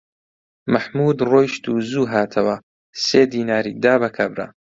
مەحموود ڕۆیشت و زوو هاتەوە، سێ دیناری دا بە کابرا